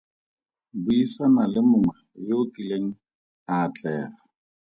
Buisana le mongwe yo o kileng a atlega.